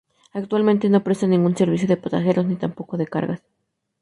Actualmente no presta ningún servicio de pasajeros ni tampoco de cargas.